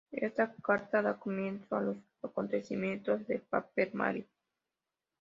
Esta carta da comienzo a los acontecimientos de Paper Mario.